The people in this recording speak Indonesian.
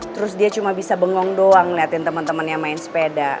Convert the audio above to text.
terus dia cuma bisa bengong doang ngeliatin temen temennya main sepeda